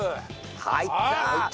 入った！